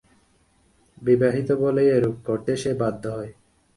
বিবাহিত বলেই এরূপ করতে সে বাধ্য হয়।